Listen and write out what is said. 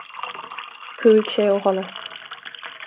Chuaigh sé ó sholas.